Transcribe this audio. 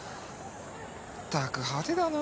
ったく派手だな。